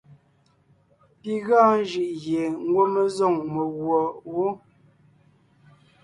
Pi gɔɔn jʉʼ gie ngwɔ́ mé zôŋ meguɔ wó.